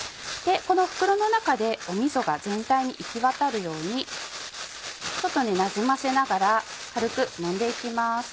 この袋の中でみそが全体に行きわたるようになじませながら軽く揉んで行きます。